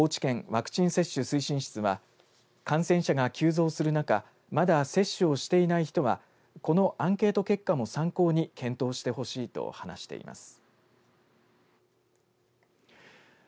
ワクチン接種推進室は感染者が急増する中、まだ接種をしていない人はこのアンケート結果も参考に検討してほしいと話しています。